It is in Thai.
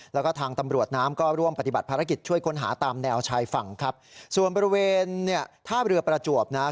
แล้วก็ทางตำรวจน้ำก็ร่วมปฏิบัติภารกิจช่วยค้นหาตามแนวชายฝั่งครับส่วนบริเวณเนี่ยท่าเรือประจวบนะฮะ